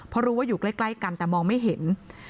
เพราะรู้ว่าอยู่ใกล้กันแต่มองไม่เห็น